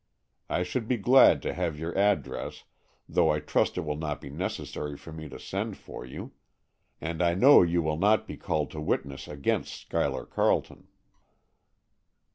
I should be glad to have your address, though I trust it will not be necessary for me to send for you; and I know you will not be called to witness against Schuyler Carleton."